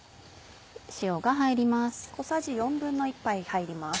塩が入ります。